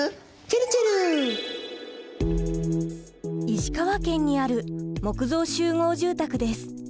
石川県にある木造集合住宅です。